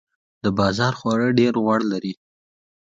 د بازار خواړه ډیر غوړ لري.